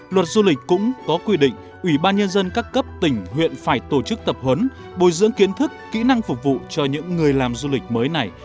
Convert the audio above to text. luật du lịch cũng có quy định ủy ban nhân dân các cấp tỉnh huyện phải tổ chức tập huấn bồi dưỡng kiến thức kỹ năng phục vụ cho những người làm du lịch mới này